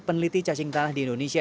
peneliti cacing tanah di indonesia